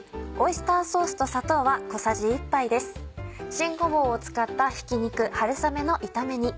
新ごぼうを使ったひき肉春雨の炒め煮。